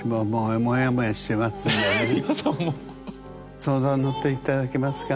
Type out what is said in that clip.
相談に乗って頂けますか？